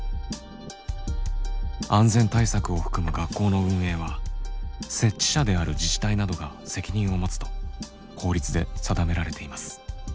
安全対策を含む学校の運営は設置者である自治体などが責任を持つと法律で定められています。